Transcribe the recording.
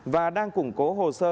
và đang củng cố hồ sơ